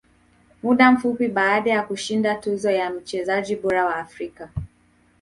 Muda mfupi baada ya kushinda tuzo ya mchezaji bora wa Afrika